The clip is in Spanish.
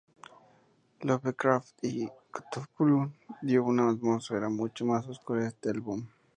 Lovecraft y Cthulhu, dio una atmósfera mucho más oscura a este álbum.